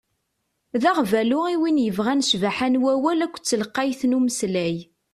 D aɣbalu i win yebɣan ccbaḥa n wawal akked telqayt n umeslay.